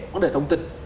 vấn đề thông tin